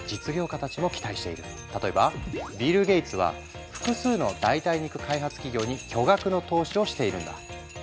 例えばビル・ゲイツは複数の代替肉開発企業に巨額の投資をしているんだ。